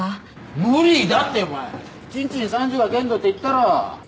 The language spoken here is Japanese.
無理だってお前１日に３０が限度って言ったろ。